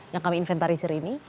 yang kami inventarisir ini